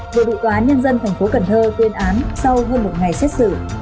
bộ đội tòa án nhân dân thành phố cần thơ tuyên án sau hơn một ngày xét xử